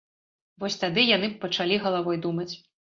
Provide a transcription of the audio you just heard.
Вось тады яны б пачалі галавой думаць.